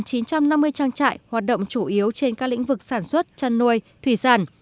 trang trải hoạt động chủ yếu trên các lĩnh vực sản xuất chăn nuôi thủy sản